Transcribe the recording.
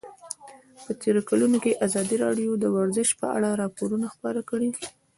په تېرو کلونو کې ازادي راډیو د ورزش په اړه راپورونه خپاره کړي دي.